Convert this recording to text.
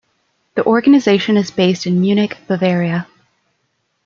The organization is based in Munich, Bavaria.